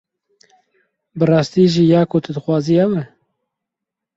Bi rastî jî ya ku tu dixwazî ew e?